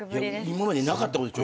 今までなかったことでしょ。